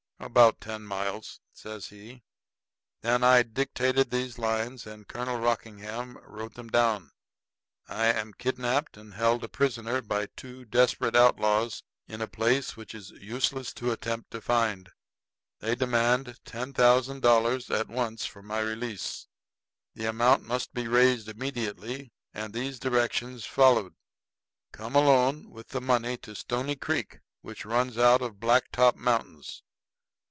"About ten miles," says he. Then I dictated these lines, and Colonel Rockingham wrote them out: I am kidnapped and held a prisoner by two desperate outlaws in a place which is useless to attempt to find. They demand ten thousand dollars at once for my release. The amount must be raised immediately, and these directions followed. Come alone with the money to Stony Creek, which runs out of Blacktop Mountains.